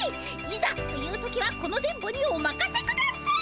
いざという時はこの電ボにおまかせください！